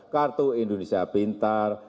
kartu indonesia pintar